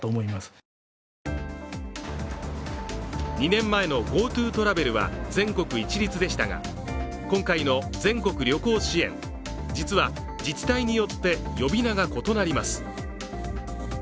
２年前のＧｏＴｏトラベルは全国一律でしたが、今回の全国旅行支援、実は自治体によって呼び名が異なります。